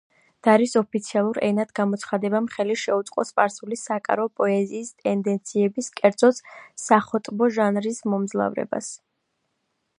დარის ოფიციალურ ენად გამოცხადებამ ხელი შეუწყო სპარსული საკარო პოეზიის ტენდენციების, კერძოდ, სახოტბო ჟანრის მომძლავრებას.